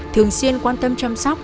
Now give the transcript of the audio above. thường xuyên quan tâm chăm sóc